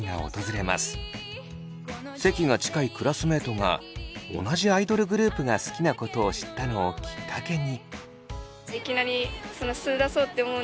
席が近いクラスメートが同じアイドルグループが好きなことを知ったのをきっかけに。